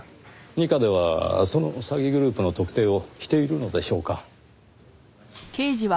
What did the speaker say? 二課ではその詐欺グループの特定をしているのでしょうか？